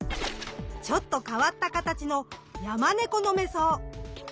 ちょっと変わった形のヤマネコノメソウ。